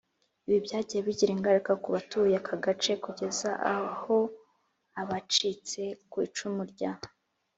Ibi byagiye bigira ingaruka ku batuye aka gace kugeza aho abacitse ku icumu rya